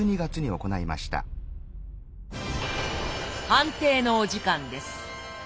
判定のお時間です。